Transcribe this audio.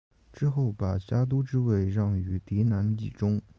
之后把家督之位让与嫡男义忠。